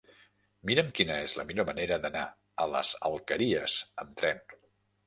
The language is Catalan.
Mira'm quina és la millor manera d'anar a les Alqueries amb tren.